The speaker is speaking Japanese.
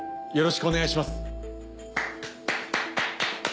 よろしくお願いします。